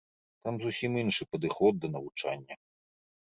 Там зусім іншы падыход да навучання.